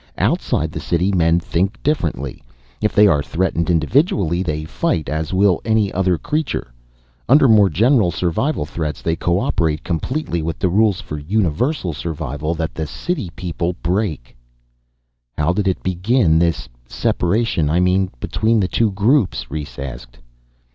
Outside the city men think differently. If they are threatened individually, they fight, as will any other creature. Under more general survival threats they co operate completely with the rules for universal survival that the city people break." "How did it begin this separation, I mean, between the two groups?" Rhes asked.